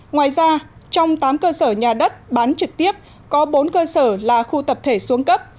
ngoài ra trong tám cơ sở nhà đất bán trực tiếp có bốn cơ sở là khu tập thể xuống cấp